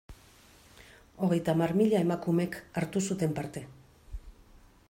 Hogeita hamar mila emakumek hartu zuten parte.